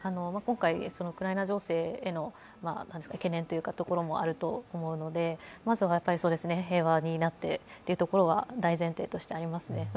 今回、ウクライナ情勢への懸念のところもあると思うので、まずは平和になってというところは大前提としてありますね。